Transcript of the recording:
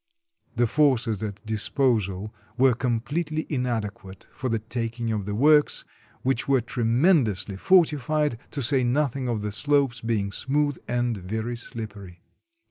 The forces at disposal were completely inadequate for the taking of the works, which were tremendously fortified, to say nothing of the slopes being smooth and very slippery.